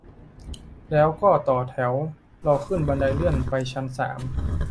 แล้วก็ต่อแถวรอขึ้นบันไดเลื่อนไปชั้นสาม